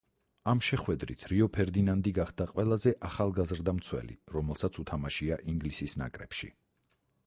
ამ შეხვედრით რიო ფერდინანდი გახდა ყველაზე ახალგაზრდა მცველი, რომელსაც უთამაშია ინგლისის ნაკრებში.